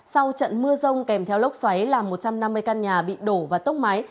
sau trận mưa rông kèm theo lốc xoáy làm một trăm năm mươi căn nhà bị đổ và tốc máy